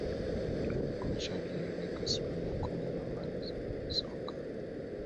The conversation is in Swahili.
Kocha aliyeiweka hispania kwenye ramani ya soka